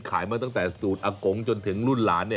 ขายมาตั้งแต่สูตรอักโก้งจนถึงรุ่นหลานนี่